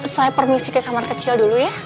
saya permisi ke kamar kecil dulu ya